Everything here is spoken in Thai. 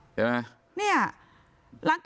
ภรรยาก็บอกว่านายทองม่วนขโมย